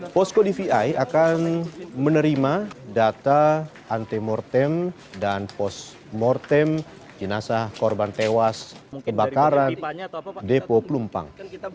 posko dvi akan menerima data antemortem dan post mortem jenazah korban tewas kebakaran depo pelumpang